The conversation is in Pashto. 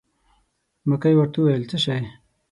مکۍ ورته وویل: څه شی.